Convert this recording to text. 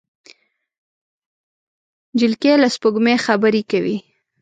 نجلۍ له سپوږمۍ خبرې کوي.